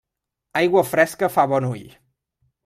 Aigua fresca fa bon ull.